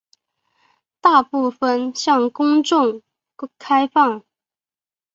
大部分向公众开放。